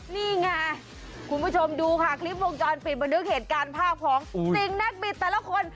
นี่ไงคุณผู้ชมดูค่ะคลิปวงจรปิดบันทึกเหตุการณ์ภาพของสิ่งนักบิดแต่ละคน